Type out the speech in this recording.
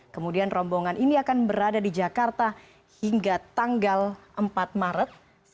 kemudian rombongan ini akan berada di jakarta hingga tanggal empat maret